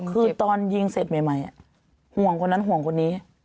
คือตอนยิงเสร็จใหม่ห่วงคนนั้นห่วงคนนี้